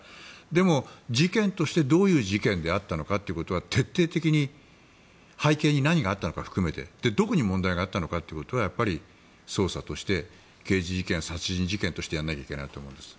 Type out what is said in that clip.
でも、事件としてどういう事件であったのかっていうことは徹底的に背景に何があったのかを含めてどこに問題があったのかということはやっぱり、捜査として刑事事件、殺人事件としてやらなきゃいけないと思うんです。